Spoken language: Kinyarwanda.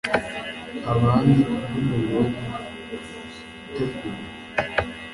abandi kubwo umurimo wo gutegura